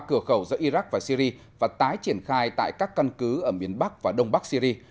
cửa khẩu giữa iraq và syri và tái triển khai tại các căn cứ ở miền bắc và đông bắc syri